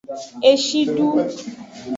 Eshidu.